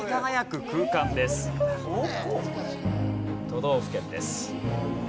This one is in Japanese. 都道府県です。